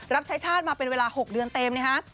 รับใช้ชาติมาเป็นเวลา๖เดือนเต็มนะฮะ